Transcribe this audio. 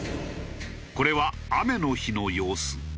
これは雨の日の様子。